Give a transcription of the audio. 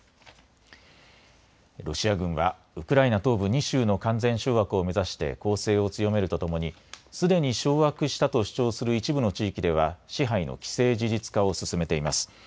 ロシア軍はウクライナ東部２州の完全掌握を目指して攻勢を強めるとともに、すでに掌握したと主張する一部の地域では支配の既成事実化を進めています。